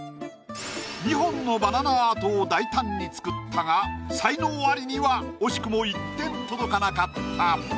２本のバナナアートを大胆に作ったが才能アリには惜しくも１点届かなかった。